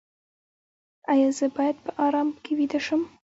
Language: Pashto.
ایا زه باید په ارام کې ویده شم؟